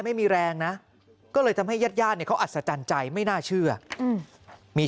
ไม่มีแรงนะก็เลยทำให้ยาดเขาอัศจรรย์ใจไม่น่าเชื่อมี